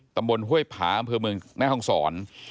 ตำบลห้วยผาเมืองแม่ห้องศร